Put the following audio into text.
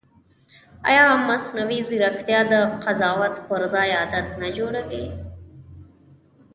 ایا مصنوعي ځیرکتیا د قضاوت پر ځای عادت نه جوړوي؟